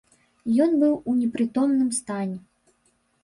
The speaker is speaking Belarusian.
Ён быў у непрытомным стане.